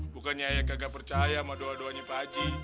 bukannya ayah kagak percaya sama doa doanya pak haji